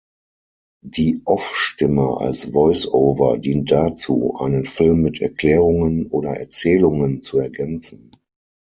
Die Off-Stimme als Voice-over dient dazu, einen Film mit Erklärungen oder Erzählungen zu ergänzen.